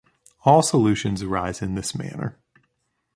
All solutions arise in this manner.